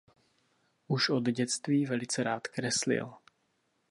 Už od dětství velice rád kreslil.